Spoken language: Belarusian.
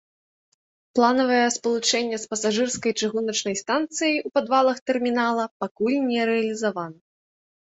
Планаванае спалучэнне з пасажырскай чыгуначнай станцыяй у падвалах тэрмінала пакуль не рэалізавана.